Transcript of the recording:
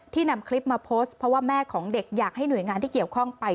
นำคลิปมาโพสต์เพราะว่าแม่ของเด็กอยากให้หน่วยงานที่เกี่ยวข้องไป